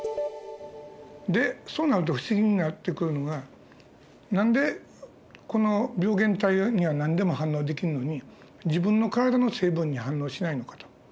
でそうなると不思議になってくるのが何でこの病原体には何でも反応できるのに自分の体の成分には反応しないのかと。